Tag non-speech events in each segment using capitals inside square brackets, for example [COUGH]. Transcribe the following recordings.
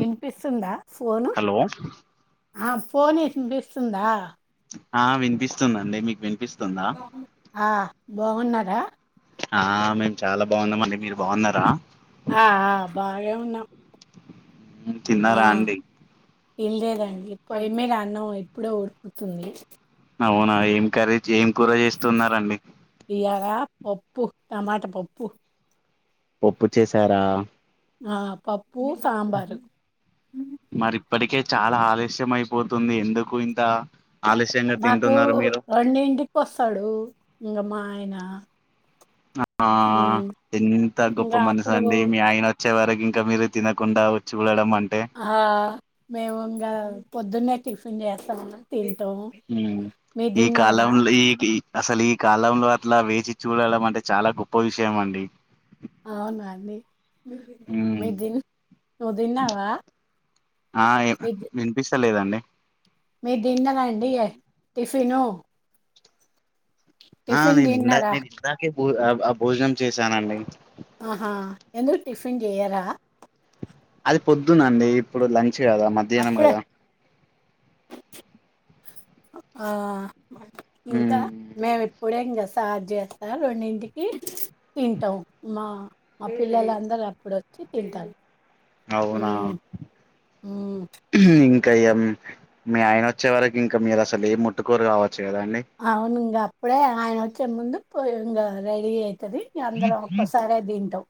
వినిపిస్తుందా phone hello ఆ phone వినిపిస్తుందా ఆ వినిపిస్తుందిండి మీకు వినిపిస్ ఆ బాగున్నారా ఆ మేము చాలా బాగున్నాంమండి మీరు బాగున్నారా ఆ ఆ బాగా ఉన్నాం తిన్నారా అండి ఇల్ లేదండి పోయి మీద అన్నం ఇప్పుడో ఊడుకుతుంది అవునా ఏం కరేజ్ ఏం కూర చేస్తున్నారండి ఇయాల పప్పు టమాట పప్పు పప్పు చేసారా ఆ పప్పు సాబారు మరి ఇప్పటికే చాలా ఆలస్యం అయిపోతుంది ఎందుకు ఇంత ఆలస్యంగా మాకు తింటున్నారు మీరు రెండింటికి వస్తాడు ఇంకా మా అయినా ఆ ఎంత ఇంగ గొప్ప మనసు అప్పుడు అండి మీ ఆయన వచ్చే వరకి ఇంకా మీరు తినకుండా వచ్చి వెడడం ఆ మేము ఇంకా పొద్దున్నే టిఫిన్ చేస్తామ తెలుస్ ఉం ఈ కాలంలో ఈ అసలు ఈ కాలంలో అట్లా వేచి చూడడం అంటే చాలా గొప్ప విషయం అండి అవునా అండి ఉమ్ మీదిన్ నువ్ తిన్నావా ఆ మీ [INAUDIBLE] మీ దిన్నరాండి టిఫిను ఆ టిఫిన్ నీను ఇందా తిన్నారా నేన్ ఇందాకే ఆ భోజనం చేశానండి ఆహా ఎంద్ర టిఫ్ పిన్ చేయరా అది పొద్దునండి ఇప్పుడు ల దా మధ్యనం అప్పుడే కదా ఆ ఇంకా మేము ఇప్పుడే ఇంకాస్తాం తయారు చేస్తారు రెండింటికి తింటాం మా మా పిల్లలందరూ అప్పుడ వచ్చి తింటారు అవునా ఉమ్, ఉమ్. ఇంకా మీ ఆయన వచ్చే వరకు ఇంకా మీరు అసలు ఏం ముట్టుకోరు కావ అవునుంగ అప్పుడే ఆయన ముందు పోయి ఇంగ రెడి అయ్యి ది అందరం ఒక్కసారే తింటాం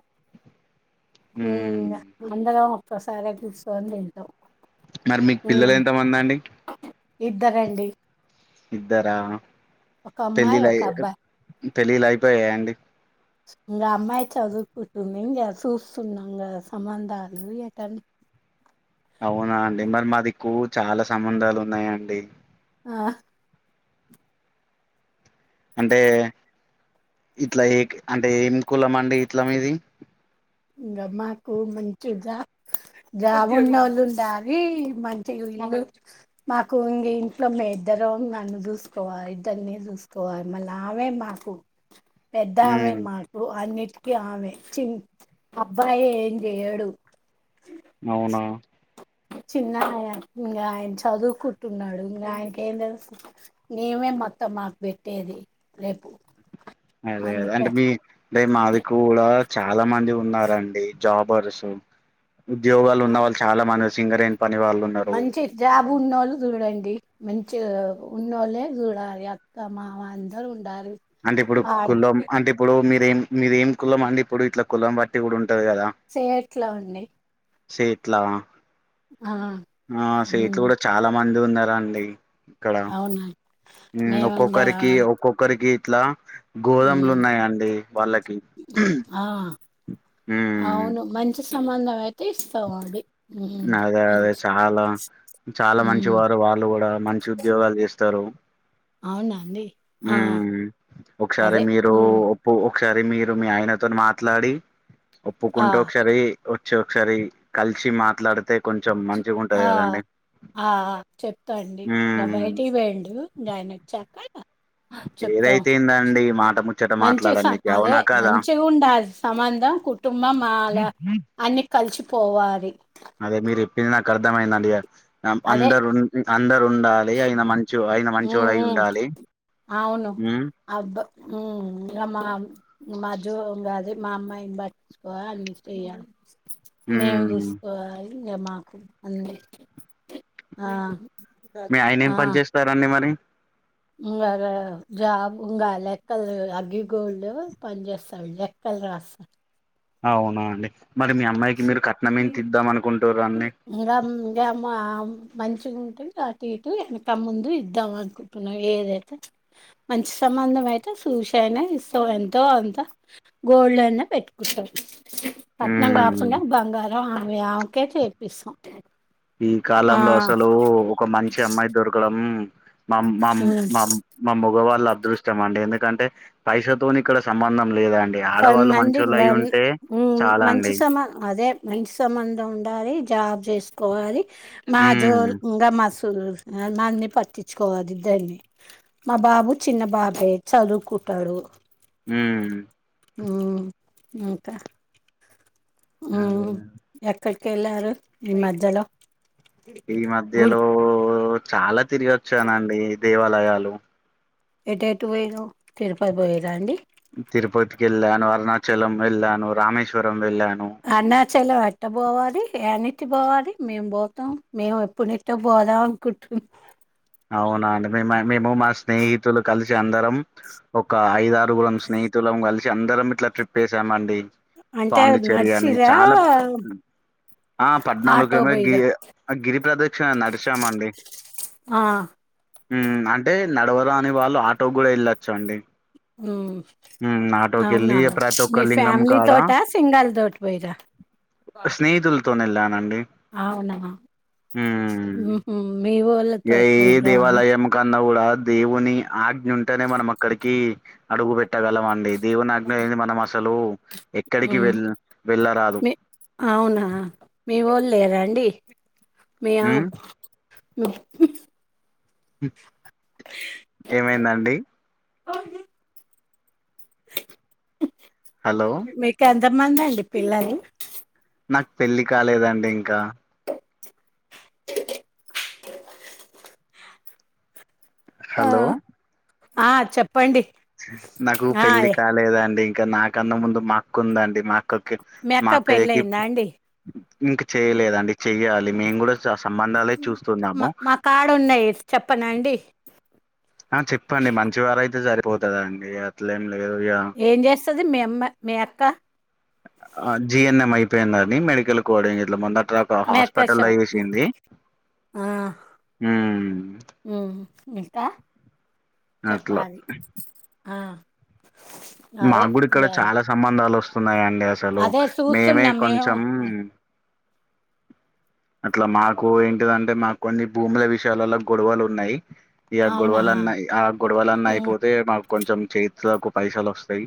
ఉం ఇంగ అందరం ఒక్కసారే కుసోని తింటం మరి మీకు పిల్లలు ఎంత మంది అండి ఇద్దరండి ఇద్దరా ఒక అమ్మాయి పెళ్ల్లిల ఒక అబ్బాయి అయ్యా పెళ్లిళ్లు అయిపోయాయ అండి ఇంగ అమ్మాయి చదువుకుంటుంది ఇంగా చూస్తున్నాంగా సంబంధాలు ఏటన్నా అవునా అండి మరి మాదిక్కు చాలా సంబంధాలు ఉన్నాయండి ఆహ్ అంటే ఇట్ల ఏ అంటే ఏం కులం అండి ఇట్ల మీది ఇంకా మాకు మంచి జా జాబు ఉన్న వాళ్ళు ఉండాలి మంచిగా ఇల్లు మాకు ఉంది ఇంట్లో మ ఇద్దరం నన్ను చూసుకోవాలి ఇద్దరిన్న చూసుకోవాలి మళ్ళ అవే మాకు పెద్ద ఆమె ఉమ్ మాకు ఆమె చి అబ్బాయి ఏం జెయడు అవునా చిన్న ఇంకా ఆయన చదువుకుంటున్నాడు ఇంకా ఆయనకు ఏం తెలుసు మీమే మొత్తం మాకు పెట్టేది రేపు అదే అదే అందుకే అంటే మీ అంటే మాదిక్కు కూడా చాలా మంది ఉన్నారండి జాబర్స్ ఉద్యోగాలు ఆ ఉన్న వాళ్ళు చాలా మన సింగరేణి పని వాళ్ళు ఉన్నారు ఉన్నవాళ్ళు చూడండి మంచి ఉన్నోళ్ళే చూడాలి అక్క మామ అందరు ఉండాలి అంటే ఇప్పుడు ఆడ కులం అంటే ఇప్పుడు మీరేం మీర ఏం కులం అండి ఇప్పుడు ఇట్లా కులం బట్టి కూడా ఉంటంది చేయట్లా అండి సేట్లావా ఆ ఆ సే ఇట్లు ఉమ్ కూడా చాలా మంది ఉన్నారు అండి ఇక్కడ అవునా హ్మ్ మేముంగా ఒక్కొక్కరికి ఒక్కొక్కరికి ఇలా గోధములు ఉమ్ ఉన్నాయా అండి వాళ్ళకి ఆ అవును మంచి సంబంధం అయితే ఇస్తామండి ఉమ్ అదే అదే మంచి చాలా చాలా మంచి ఉమ్ వారు వాళ్ళు కూడా మంచి ఉద్యోగాలు చేస్తారు అవునండి ఒకసారి మీరు ఉమ్ ఒప్పు ఒకసారి మీరు మీ ఆయనతో మాట్లాడి ఆ ఒప్పుకుంటూ ఒకసారి వచ్చి ఒకసారి కలిసి మాట్లాడితే కొంచం ఆ ఆ చెప్తాండి ఇంకా ఉమ్ బయటి వేండు ఆయన వచ్చాక చెప్తాం ఏదైతేందండి మాట ముచ్చట మంచి మాట్లాడనికి అదే అవునా కాదా మంచి ఉండ సంబంధం కుటుంబం వాళ్ళ అన్ని కలిసి పోవరి అదే మీరు ఇప్పింది నాకు అర్థమైంద అండి అదే అందరు ఉ అందరు ఉండాలి ఆయన మంచి ఆయన ఊ మంచోడై ఊ ఉండాలి అవును ఉమ్ అబ్బ ఉమ్ మ్మా మా జో గాది మా అమ్మాయిన్ పట్టిచ్చుకో [UNINTELLIGIBLE] మేమ్ ఉమ్ చూసుకోవాలి ఇగ మాకు అన్నిటికి ఆ మీ ఆయనేం పని చేస్తారండి మరి. ఇంగా జాబ్ ఇంగా లెక్కల్ అగ్గిగోల్డ ఆ పన్ చేస్తాడు. లెక్కలు రాస్తాడ్ అవునా అండి మరి మీ అమ్మాయికి మీరు కట్నం ఎంత్ ఇద్దాం అనుకుంటురు అన్ని. మంచిగ ఉంటే అటు ఇటు వెనక ముందు ఇద్దాం అనుకుంటున్నాం ఏదైతే, మంచి సంబంధం అయితే సూష్ అయినా ఇస్తాం ఎంతో అంత గోల్డ్ అయినా పెట్టుకుంటం. పట్నం బాబ్ ఉమ్ బంగారం ఆ ఈ ఆమ్ కే చేయిపిస్సం ఈ కాలంలో అసలూ ఒక మంచి అమ్మాయి దొరకడం మమ్ మమ్ ఉమ్ మమ్ మా మగవాళ్ళ అదృష్టం అండి ఎందుక్ అంటే పైసతోని ఇక్కడ సంబంధం లేదండి ఆడవాళ్ళు కొంతమంది మంచోళ్ళు ఇంగ అయి ఉంటే ఉమ్ చాలా మంచి అండి సంబ అదే మంచి సంబంధం ఉండాలీ జాబ్ జేసుకోవాలి. మా ఉమ్ జోల్ ఇంగ మస్ మన్ని పట్టిచ్చుకోవాది దాన్ని మా బాబు చిన్న బాబే చదువుకుంటాడు. ఉమ్ ఉమ్ ఇంకా అదే ఉమ్ ఎక్కడ్ కెల్లారు ఈ మధ్యలో ఈ గుడి మధ్యలో చాలా తిరిగి వచ్చానండీ దేవాలయాల్ హలో ఎట్ ఎటు పోయినవ్ తిరుపతి పోయింరా అండి. తిరుపతి కెళ్ళాను, అరుణాచలం ఎళ్ళాను, రామేశ్వరం వెళ్ళాను చలం ఎట్ట పోవాలి. ఏడ్ నిట్టి పోవాలి మేమ్ పోతాం. మేము ఎప్పుడు నుట్టో పోదాం అనుకుంటున్నా అవునా అండి. మేమ్ మ మేము మా స్నేహితులు కలిసి అందరం ఒకా ఐదారుగురం స్నేహితులం కలిసి అందరం ఇట్లా ట్రిప్ ఏసామ్ అండి. అంటే నడిసిర్రా ఆ పద్నాలుగు గీ గిరి ప్ర్రదక్షణ నడిశామండి ఆ ఉమ్ అంటే నడవరాని వాళ్ళు ఆటో గూడా ఎళ్ళొచ్చ అండి. ఉమ్ ఉమ్ ఆటోకి అవునా వెళ్ళి ప్రతి ఒక్క మీ లింగం ఫ్యామిలీ కాడ తోటా సింగల్ తోటి పోయిర్రా తో నెళ్ళానం అవునా [UNINTELLIGIBLE] మీవో ఏ ఏ దేవాలయం కా న్నా గూడా దేవుని ఆజ్ఞుంటేనే మనం అక్కడికి అడుగు పెట్టగలం అండి దేవునాజ్ఞ లేంది మనమసలు [UNINTELLIGIBLE] అవునా మీ వోళ్ లేదండి ఉమ్ మియామ్ [UNINTELLIGIBLE] ఏమైందండి హలో మీ క తమందండి పిల్లలు నాకు పెళ్లి కాలేదండి ఇంక ఆ హలో ఆ చెప్ నాకు పెళ్ళి కాలేదండి ఇక నాకన్న ముందు మా అక్కుందండి మా అక్కకి మీ మా అక్క అక్కయ్యకి పెళ్ళయిందా అండి ఇంక చెయలేదండి చెయ్యాలి మేం గూడ మా మా కాడున్నాయి చెప్పనాండి ఆ చెప్పండి మంచివారయితే జరి పోతదండి అట్లేం లేదు ఇగ ఏం చేస్తుది మీ అమ్మ మీ అక్క ఆ జి ఎన్ ఎం అయిపోయిందండి మెడికల్ కోడింగ్ ఇట్ల ముందర్ ఒక మీ అక్క హాస్పెటల్ల షాప్ జేసింది ఆ, మ్మ్ మిగతా అట్లా ఆ అదే నాగ్గూడా ఇక్కడ ఇంకా చాలా సంబంధాలొస్ తున్నాయన్ డి అసలు అదే మేమే చూస్తున్నాం మేము కొంచెం అట్లా మాకు ఏంటిదంటే మాకు కొన్ని భూముల విషయాలలో గొడవలు ఉన్నాయి ఈ ఆ అవునా గొడవలన్న ఆ గొడవలన్న ఉమ్, అయిపోతే మాకు కొంచెం చే కు పైసాలు వస్తాయి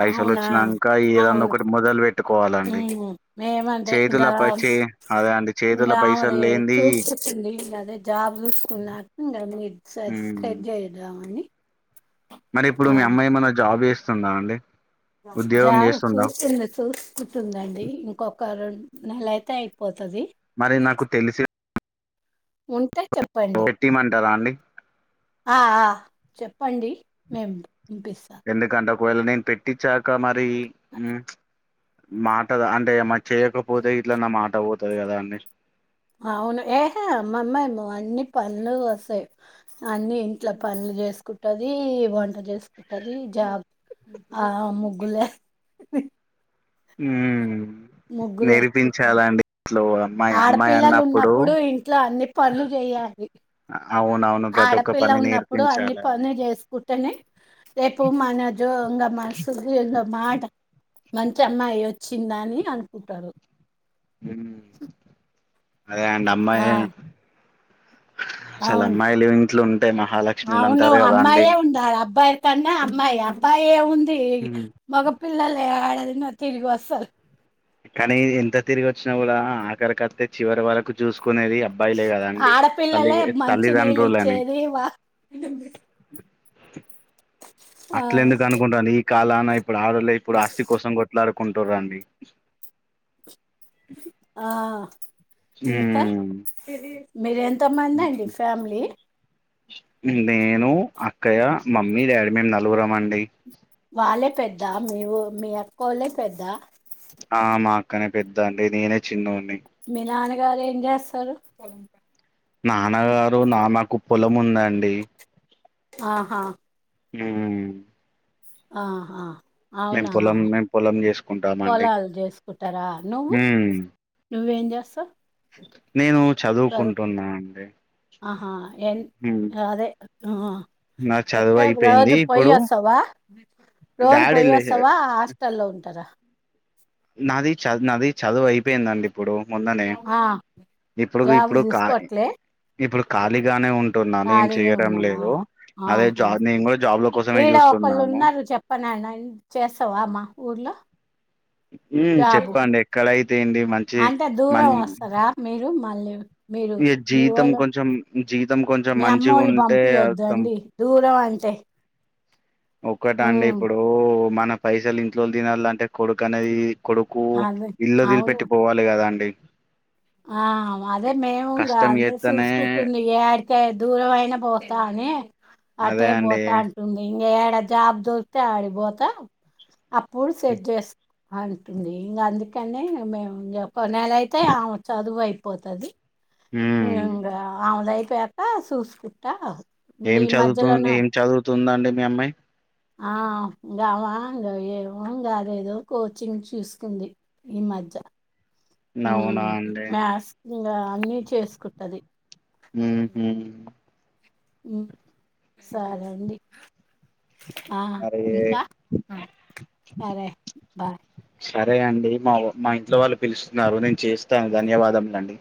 పైసోలు అవునా వచ్చినాక ఏదన్నా అవును ఒకటి మొదలు పెట్టుకోవాలండి ఉమ్, మేమంతే చేతుల ఇంకా పచి అదే అండి చేతుల ఇంకా పైసలు అది లేంది చూస్తుంది ఇగా అదే జాబ్ చూస్తున్నారు [UNINTELLIGIBLE] స ఉమ్, సెట్ చేదామణి మరి ఇప్పుడు మీ అమ్మాయి ఏమన జాబ్ చేస్త తుందా అండి ఉద్యోగం జాబ్ చేస్తుందా చూస్తుంది చూస్తుంటుందండి ఇంకొక రెం నేల అయిపోతే మరి నాకు తెలిసి ఉంటే చెప్పండి పెట్టిమంటారా అండి ఆ ఆ చెప్పండి మేము పంపిస్తా ఎందుకంటే ఒకవేళ నేను పెట్టి చాక మా [UNINTELLIGIBLE] మాట అంటే మ చేయకపోతే ఇట్లా నా మాట పో కదా అండి అవును ఏహ [UNINTELLIGIBLE] అని పంలు వస్తాయి అన్ని ఇంట్లో పన్లు చేసుకుంటుది వంట చేసుకుంటుది జాబ్ ఆ ముగ్గులే మ్మ్ ముగ్గులు వేసుకుంటారు అమ్మాయి అమ్మాయి ఆడపిల్లలు అన్నప్పుడు ఉన్నప్పుడు ఇంట్లో అన్ని పనులు చేయాలి అవునవును ప్రతి ఒక్క ఆడపిల్ల పని ఉన్నప్పుడు అన్ని నేర్పించాలండి పనులు చేసుకుంటేనే రేపు మన [UNINTELLIGIBLE] ఇగ [UNINTELLIGIBLE] మంచి అమ్మాయి వచ్చిందాని అనుకుంటారు మ్మ్ అదే అండి ఆ అమ్మాయే అసలు అవును అమ్మాయిలు ఇంట్లో ఉంటే మహాలక్ష్మిీలు అవును అంటారు కదా అండి అమ్మాయే ఉండాలి అబ్బాయి కన్నా అమ్మాయి అబ్బాయి ఉంది ఉమ్ మగపిల్లలు యాడ తిన్న తిరిగి వస్తరు కానీ ఎంత తిరిగి వచ్చినా కూడా ఆఖరి అత్తే చివరి వరకు చూసు ఆడపిల్లలే మంచి నీళ్ళు తల్లిదండ్రులని ఇచ్చేది వా ఆ అట్ల ఎందుకు అనుకుంటరండి ఈ కాలాన ఇప్ ప్పుడు ఆడలే ఇప్పుడు ఆస్తి కోసం కొట్లాడు కుంటూరండి ఆ ఇంకా ఉమ్ మీరెంత్ తమంది అండి ఫ్యామిలీ నేను, అక్కయ్య, మమ్మీ, డాడీ మేము నలుగురము అండి వాళ్ళే పెద్ద మీవు మీ అక్కోలే పెద్ద ఆ మా అక్కనే పెద్దా అండి నేనే చిన్నొ మీ నాన్న గారు ఏం చేస్తరు నాన్నగారు నాన్నకు పొలం ఉందండి ఆ హా హ్మూ ఆ హా మేము పొలం మేము పొలం చేసుకు పొలాలు చేసుకుటారా నువ్వు మ్మ్. నువ్వేం చేస్తవ్ నేను చదువుకుంటున్నా అండి ఆ హా ఎన్ మ్మ్. అదే ఆ నా చదువు ఎక్కడ రోజు అయిపోయింది పొయ్యి ఇప్పుడు వస్తావా రోజు డాడీ పొయ్యి లే వస్తావా ఆ హాస్టల్లో ఉంటరా? నాది చదు నాది చదువు అయిపోయిందండి. ఇప్పుడు మొన్ననే ఆ! ఇప్పుడు జాబ్ ఇప్పుడు కా జూసుకోవట్లే. ఇప్పుడు ఖాళీగానే ఉం ఖాళీగా ఉన్నావా ఆ అదే హా జాబ్ నేను కూడా జాబ్ల కోసమే ఈడ చూస్తున్నాను ఒకళ్ళున్నారు చెప్పనన్న చేస్తావా మా ఊర్లో? మ్మ్ జాబు? చెప్పండి ఎక్కడై అంటే దూరం వస్తరా మీరు మా [UNINTELLIGIBLE] ఇగ జీతం కొంచెం జీతం కొంచెం మీ మంచి అమ్మోళ్ళు ఉంటే అత్తం పంపియొద్దండి. దూరం అంటే. ఒక్కటి అండి హ్మ్. ఇప్పుడూ మన పైసలు ఇంట్లో తినల్ల అంటే కొడుకు అనేది కొడుకు అదే. ఇల్లువదిలి అవును. పెట్టి పోవాలి కదా అండి ఆ అదే మేము ఇంగా కష్టం చేత్తనే సూల్సుకుంటంది ఆ ఏ దూరం అయినా పోతానే అదే అటే అండి బోత అంటుంది ఇం ఏడా జాబ్ చూస్తే ఆడిపోతా అప్పుడు సెట్ చేసు అంటుంది ఇంగ అందుకని మేము ఇంగ అయితే ఆ చదువు అయిపోతది ఉమ్ ఇంగా పెత సూస్కుంట ఏం చదువుతుంది ఏం చదువ్ తున్దండి మీ అమ్మాయి ఆ ఇంకావా ఇంగ గాదేదో కోచింగ్ చూసుకుంది ఈ మధ్య అవునా హమ్ అండి మ్యాస్ ఇగా అన్ని చేసుకుంటది హమ్మ్ హమ్ సరే అండి ఆ మరి ఇంకా హమ్ సరే బాయ్ సరే అండి మా మా ఇంట్లో వాళ్ళు పిలుస్తున్నారు నేను చేస్తా ధన్యవాదముల అండి